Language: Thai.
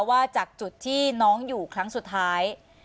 ว่าจากจุดที่น้องอยู่ครั้งสุดท้าย